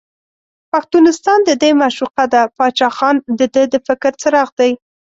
پښتونستان دده معشوقه ده، باچا خان دده د فکر څراغ دی.